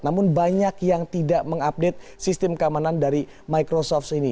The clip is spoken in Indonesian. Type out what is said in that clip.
namun banyak yang tidak mengupdate sistem keamanan dari microsoft ini